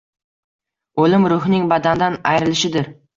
O’lim ruhning badandan ayrilishidir.